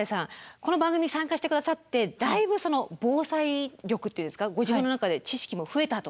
この番組に参加してくださってだいぶ防災力っていうんですかご自分の中で知識も増えたと。